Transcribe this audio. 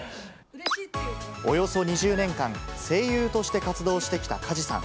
およそ２０年間、声優として活動してきた梶さん。